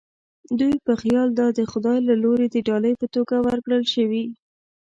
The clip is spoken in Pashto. دوی په خیال دا د خدای له لوري د ډالۍ په توګه ورکړل شوې.